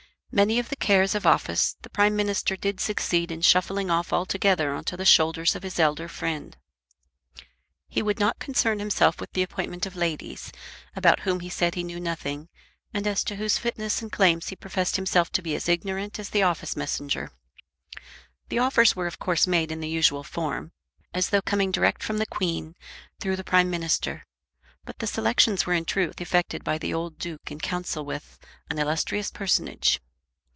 Many of the cares of office the Prime Minister did succeed in shuffling off altogether on to the shoulders of his elder friend. He would not concern himself with the appointment of ladies, about whom he said he knew nothing, and as to whose fitness and claims he professed himself to be as ignorant as the office messenger. The offers were of course made in the usual form, as though coming direct from the Queen, through the Prime Minister; but the selections were in truth effected by the old Duke in council with an illustrious personage.